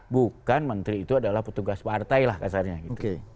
bukan menteri itu adalah petugas partai lah kasarnya gitu